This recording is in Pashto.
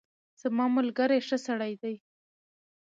زما ملګری ښه سړی دی.